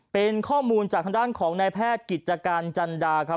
เป็นข้อมูลจากทางด้านของนายแพทย์กิจการจันดาครับ